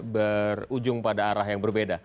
berujung pada arah yang berbeda